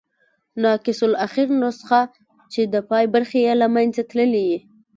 ناقص الاخرنسخه، چي د پای برخي ئې له منځه تللي يي.